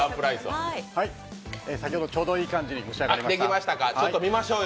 先ほどちょうどいい感じに蒸し上がりました。